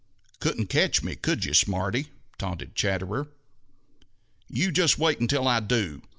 "Couldn't catch me, could you, smarty?" taunted Chatterer. "You just wait until I do!